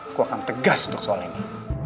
aku akan tegas untuk soal ini